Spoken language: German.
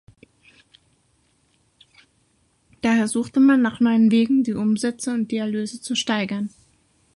Daher suchte man nach neuen Wegen, die Umsätze und die Erlöse zu steigern.